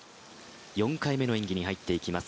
４回目の演技に入っていきます。